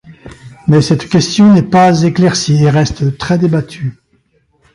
Mais cette question n'est pas éclaircie et reste très débattue.